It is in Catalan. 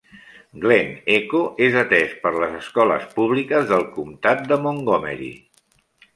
Glen Echo es atès per les escoles públiques del comtat de Montgomery.